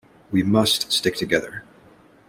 We must stick together.